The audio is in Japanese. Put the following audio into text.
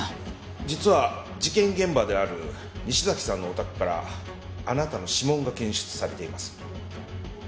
「実は事件現場である西崎さんのお宅からあなたの指紋が検出されています」